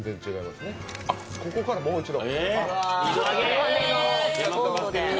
あっ、ここからもう一度。